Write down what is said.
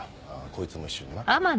こいつも一緒にな。